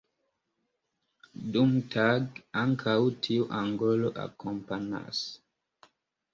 Dumtage, ankaŭ tiu angoro akompanas.